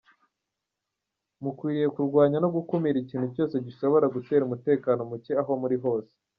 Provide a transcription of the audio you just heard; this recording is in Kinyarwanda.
Mukwiriye kurwanya no gukumira ikintu cyose gishobora gutera umutekano muke aho muri hose."